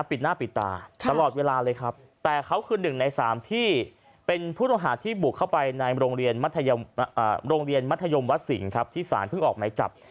ปิดหน้าปิดตาตลอดเวลาเลยครับแต่เขาคือหนึ่งในสามที่เป็นผู้ต้องหาที่บุกเข้าไปในโรงเรียนโรงเรียนมัธยมวัดสิงห์ครับที่สารเพิ่งออกหมายจับ